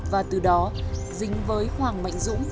và từ đó dính với hoàng mạnh dũng